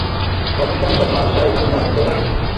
دەتکەم بە پاشای ئەم ناوچەیە